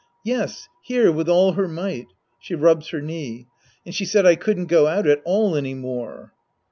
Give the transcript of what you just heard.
Yes. Here, with all her might. i^She rubs her knee.) And she said I couldn't go out at all any more.